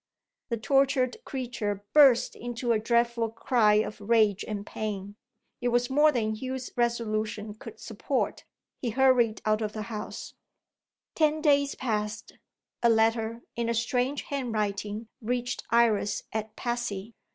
The tortured creature burst into a dreadful cry of rage and pain. It was more than Hugh's resolution could support. He hurried out of the house. Ten days passed. A letter, in a strange handwriting, reached Iris at Passy.